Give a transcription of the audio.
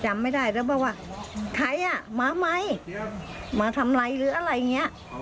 จำไม่ได้แล้วบอกว่าใครอ่ะมาไหมมาทำอะไรหรืออะไรอย่างนี้